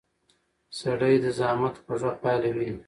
سړی د زحمت خوږه پایله ویني